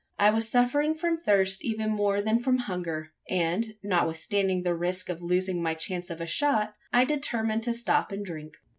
I was suffering from thirst even more than from hunger; and, notwithstanding the risk of losing my chance of a shot, I determined to stop and drink.